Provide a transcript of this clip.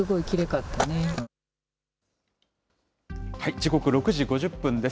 時刻６時５０分です。